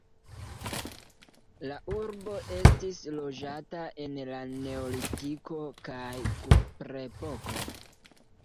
La urbo estis loĝata en la neolitiko kaj kuprepoko.